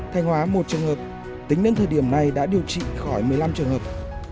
khánh hòa một trường hợp tính đến thời điểm này đã điều trị khỏi một mươi năm trường hợp